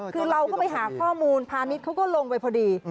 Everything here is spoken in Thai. คือเราก็ไปหาข้อมูลพาณิชย์เขาก็ลงไปพอดี